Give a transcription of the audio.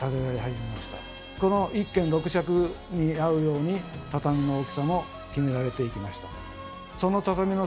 この１間６尺に合うように畳の大きさも決められていきました。